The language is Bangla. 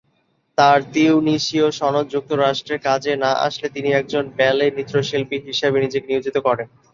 তার তিউনিসীয় সনদ যুক্তরাষ্ট্রে কাজে না আসলে তিনি একজন ব্যালে নৃত্যশিল্পী হিসেবে নিজেকে নিয়োজিত করেন।